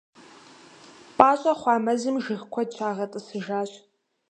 Пӏащӏэ хъуа мэзым жыг куэд щагъэтӏысыжащ.